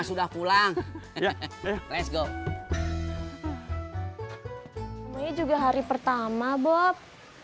udah pulang juga hari pertama bob